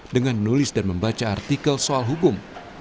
dengan menulis dan membaca artikel soal hukum